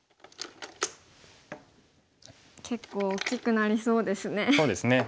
結構大きくなりそうですね。